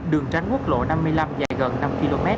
đường tránh quốc lộ năm mươi năm dài gần năm km